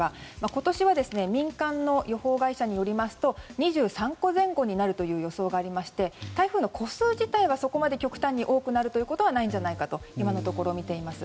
今年は民間の予報会社によると２３個前後になるという予想がありまして台風の個数自体はそこまで極端に多くなることはないんじゃないかと今のところはみています。